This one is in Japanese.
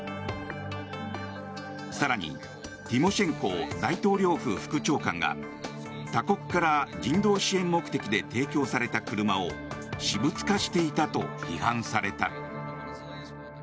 更にティモシェンコ大統領府副長官が他国から人道支援目的で提供された車を私物化していたと批判された。